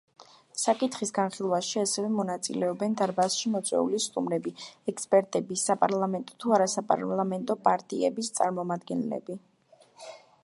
საკითხის განხილვაში ასევე მონაწილეობენ დარბაზში მოწვეული სტუმრები: ექსპერტები, საპარლამენტო თუ არასაპარლამენტო პარტიების წარმომადგენლები.